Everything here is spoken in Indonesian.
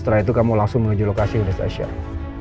setelah itu kamu langsung menuju lokasi yang sudah saya share